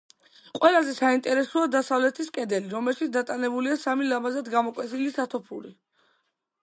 ყველაზე საინტერესოა დასავლეთის კედელი, რომელშიც დატანებულია სამი ლამაზად გამოკვეთილი სათოფური.